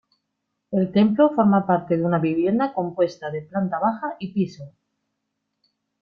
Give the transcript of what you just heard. El templo forma parte de una vivienda compuesta de planta baja y piso.